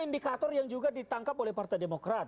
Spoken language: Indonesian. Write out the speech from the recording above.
indikator yang juga ditangkap oleh partai demokrat